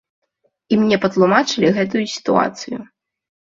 І мне патлумачылі гэтую сітуацыю.